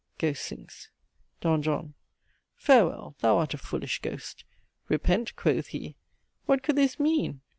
(Ghost sinks.) "D. JOHN. Farewell, thou art a foolish ghost. Repent, quoth he! what could this mean?